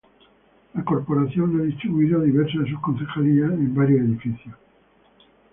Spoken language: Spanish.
La Corporación ha distribuido diversas de sus concejalías en varios edificios.